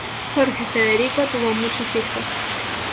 Jorge Federico tuvo muchos hijos.